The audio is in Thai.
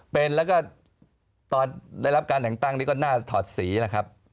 เป็นแล้วก็ตอนได้รับการแต่งตั้งนี่ก็น่าถอดสีนะครับ